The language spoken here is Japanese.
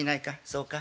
そうか？